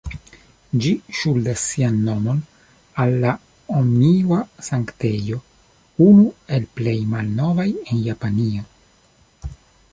Ĝi ŝuldas sian nomon al la Omiŭa-Sanktejo, unu el plej malnovaj en Japanio.